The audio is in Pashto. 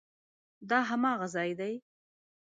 دا هماغه ځای دی؟